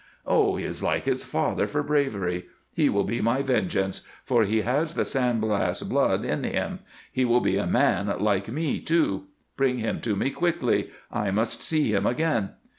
Oh, he is like his father for bravery! He will be my vengeance, for he has the San Blas blood in him; he will be a man like me, too. Bring him to me quickly; I must see him again."